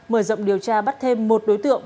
mở rộng điều tra bắt thêm một đối tượng